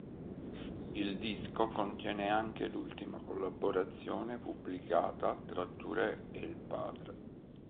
Il disco contiene anche l'ultima collaborazione pubblicata tra Touré e il padre.